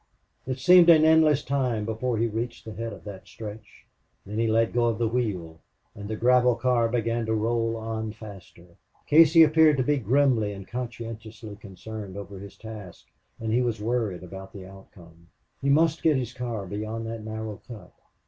It seemed an endless time before he reached the head of that stretch. Then he let go of the wheel. And the gravel car began to roll on faster. Casey appeared to be grimly and conscientiously concerned over his task, and he was worried about the outcome. He must get his car beyond that narrow cut.